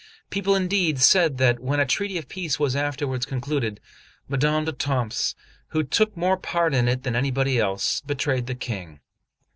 People indeed said that, when a treaty of peace was afterwards concluded, Madame d'Etampes, who took more part in it than anybody else, betrayed the King.